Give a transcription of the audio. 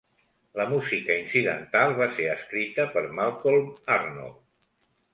La música incidental va ser escrita per Malcolm Arnold.